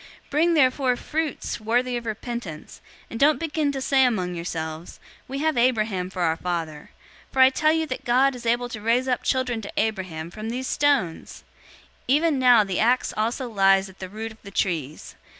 003:008 Bring forth therefore fruits worthy of repentance, and don't begin to say among yourselves, 'We have Abraham for our father;' for I tell you that God is able to raise up children to Abraham from these stones! 003:009 Even now the axe also lies at the root of the trees.